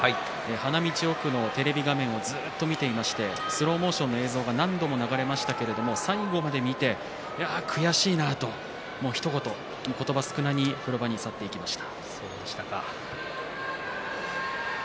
花道奥のテレビ画面をずっと見ていましてスローモーションの映像は何度も流れましたけど最後まで見て悔しいなと、ひと言、言葉少なに風呂場に去っていきました。